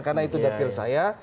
karena itu dapil saya